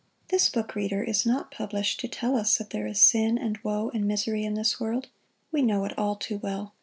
] This book, reader, is not published to tell us that there is sin and woe and misery in this world. We know it all too well.